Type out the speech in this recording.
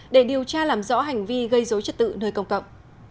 để điều tra làm rõ hành vi gây dối trật tự nơi công cộng